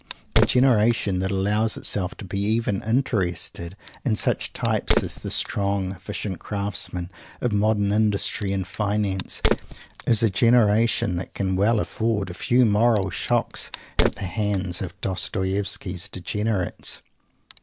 A generation that allows itself to be even interested in such types as the "strong," efficient craftsmen of modern industry and finance is a generation that can well afford a few moral shocks at the hands of Dostoievsky's "degenerates."